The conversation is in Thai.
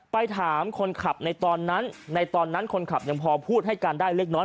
ไปถามคนขับในตอนนั้นในตอนนั้นคนขับยังพอพูดให้การได้เล็กน้อย